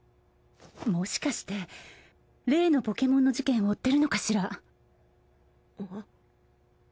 もしかして例のポケモンの事件を追ってるのかしら？